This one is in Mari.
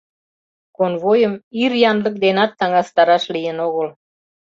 Конвойым ир янлык денат таҥастараш лийын огыл.